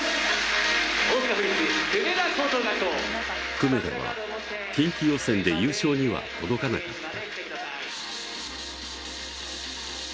久米田は近畿予選で優勝には届かなかった。